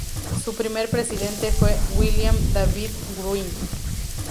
Su primer presidente fue William David Wright.